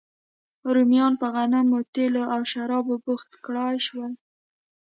رومیان په غنمو، تېلو او شرابو بوخت کړای شول